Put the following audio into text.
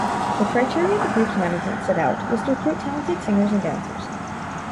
The criteria the group’s management set out was to recruit talented singers and dancers.